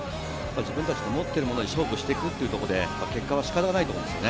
自分たちの持ってるもので勝負していくってところで結果は仕方ないと思うんですね。